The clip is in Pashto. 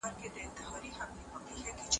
ټکنالوژي اړیکې پیاوړې کوي.